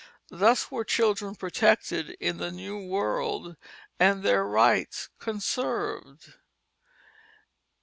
Thus were children protected in the new world, and their rights conserved.